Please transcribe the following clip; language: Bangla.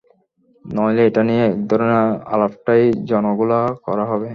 নইলে এটা নিয়ে এধরণের আলাপটাই জলঘোলা করা হবে।